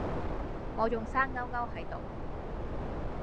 我仲生勾勾係度